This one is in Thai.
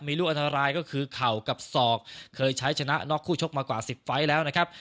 มีลูกอันตรายก็คือเข่ากับศอกเคยใช้ชนะน็อกคู่ชกมากว่า๑๐ไฟล์แล้วนะครับ